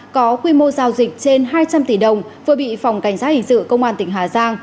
có quy mô giao dịch trên hai trăm linh tỷ đồng vừa bị phòng cảnh sát hình sự công an tỉnh hà giang